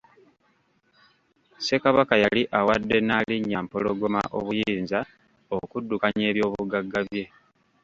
Ssekabaka yali awadde Nnaalinnya Mpologoma obuyinza okuddukanya ebyobugagga bye.